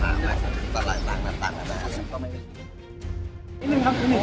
หรือว่าอย่างไรครับพูดได้นะครับที่